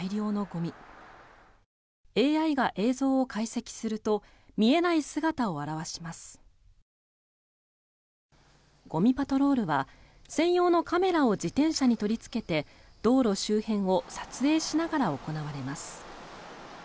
ゴミパトロールは専用のカメラを自転車に取りつけて道路周辺を撮影しながら行われます。